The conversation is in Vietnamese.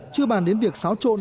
chưa bàn đến việc xáo trộn